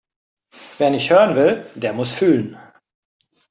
Wer nicht hören will, der muss fühlen.